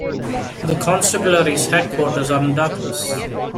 The constabulary's headquarters are in Douglas.